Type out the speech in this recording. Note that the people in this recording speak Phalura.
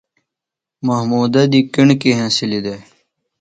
محمودہ دی کݨکیۡ ہنسِلی دےۡ۔